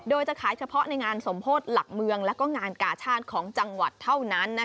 โดยจะขายเฉพาะในงานสมโพธิหลักเมืองและงานกาชาติของจังหวัดเท่านั้น